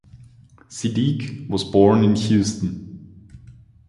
Siddiq was born in Houston.